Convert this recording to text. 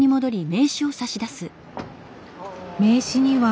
名刺には。